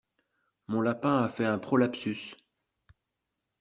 Mon lapin a fait un prolapsus.